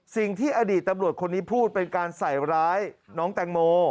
สิ่งที่อดีตตำรวจคนนี้พูดเป็นการใส่ร้ายน้องแตงโม